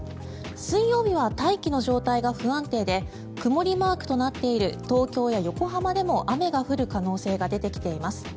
水曜日は大気の状態が不安定で曇りマークとなっている東京や横浜でも雨が降る可能性が出てきています。